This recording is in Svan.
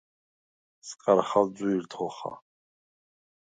სკარხალ ძუ̂ირდ ხოხა.